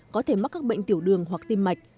có thể mắc các bệnh tiểu đường hoặc tim mạch